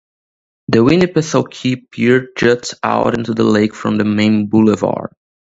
The Winnipesaukee Pier juts out into the lake from the main boulevard.